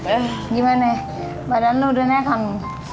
eh gimana badan lu udah nekang